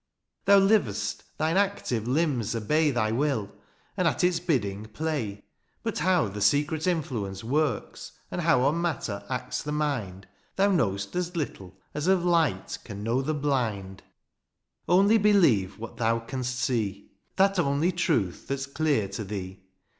" Thou liv^st, thine active limbs obey ^^Thy will, and at its bidding play. " But how the secret influence works, ^^And how on matter acts the mind, ^^Thou know'st as little, as of light ^^ Can know the blind. 24 DIONYSIUS, (C Only believe what thou canst see^ —'' That only truth that's clear to thee.